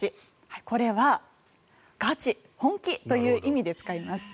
これはガチ、本気という意味で使います。